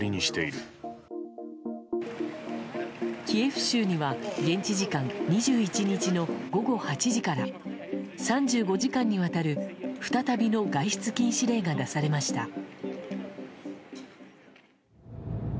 キエフ州には現地時間２１日の午後８時から３５時間にわたる再びの外出禁止令が出されました。